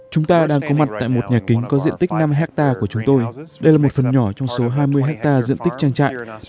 chúng ta đang có mặt tại một nhà kính có diện tích năm hectare của chúng tôi đây là một phần nhỏ trong số hai mươi hectare diện tích trang trại